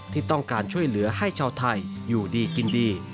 ที่ต้องการช่วยเหลือให้ชาวไทยอยู่ดีกินดี